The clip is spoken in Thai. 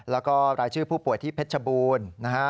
แล้วก็รายชื่อผู้ป่วยที่เพชรบูรณ์นะฮะ